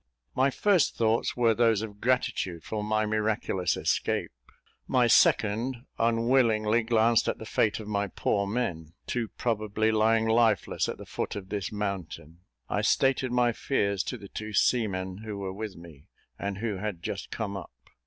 My first thoughts were those of gratitude for my miraculous escape; my second unwillingly glanced at the fate of my poor men, too probably lying lifeless at the foot of this mountain. I stated my fears to the two seamen who were with me, and who had just come up.